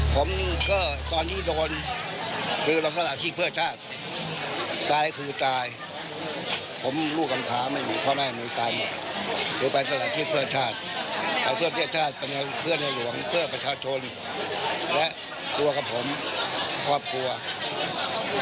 ผมก็ไม่ได้เสียใจอะไร